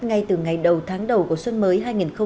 ngay từ ngày đầu tháng đầu của xuân mới hai nghìn hai mươi bốn